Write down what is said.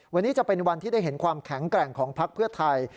วันนี้จะเป็นวันที่ได้เห็นความแข็งแกร่งของพักเพื่อไทย